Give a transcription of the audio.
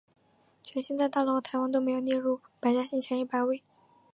全姓在大陆和台湾都没有列入百家姓前一百位。